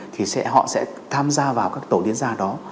thì họ sẽ tham gia vào các tổn nên ra đó